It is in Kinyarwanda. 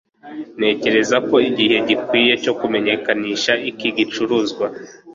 ntekereza ko igihe gikwiye cyo kumenyekanisha iki gicuruzwa